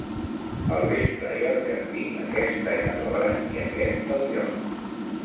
Al vespre i al jardí. Aquesta era l'hora, i aquest el lloc.